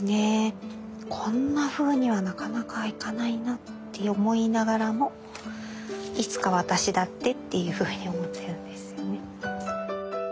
こんなふうにはなかなかいかないなって思いながらもいつか私だってっていうふうに思っているんですよね。